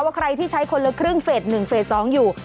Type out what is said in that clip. ใครที่ใช้คนละครึ่งเฟส๑เฟส๒อยู่